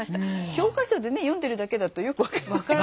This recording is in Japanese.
教科書でね読んでるだけだとよく分からないから。